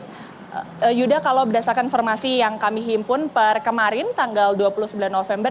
yuda kalau berdasarkan informasi yang kami himpun per kemarin tanggal dua puluh sembilan november